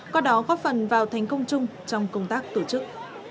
qua đó góp phần vào thành công chung trong công tác tổ chức